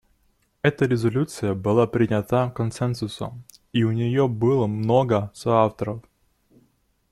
Эта резолюция была принята консенсусом, и у нее было много соавторов.